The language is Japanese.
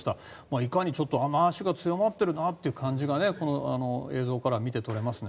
いかに雨脚が強まっているかという感じが映像から見て取れますね。